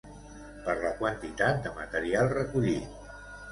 per la quantitat de material recollit